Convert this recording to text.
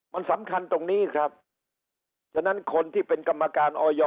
มันสำคัญตรงนี้ครับฉะนั้นคนที่เป็นกรรมการออย